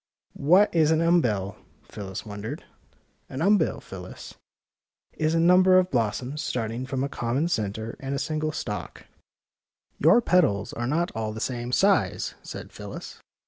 ''" What is an umbel? " Phyllis wondered. '' An umbel, Phyllis, is a number of blos soms starting from a conm.ion centre on a sin gle stalk." ^^ Your petals are not all the same size," said Phyllis.